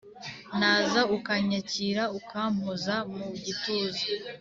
Naza ukanyakira Ukampoza mu gituza